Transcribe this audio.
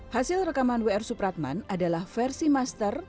hasil rekaman w r supratman adalah versi master